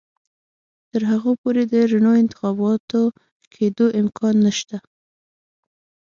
تر هغو پورې د رڼو انتخاباتو کېدو امکان نشته.